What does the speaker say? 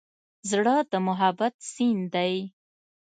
زړه د محبت سیند دی.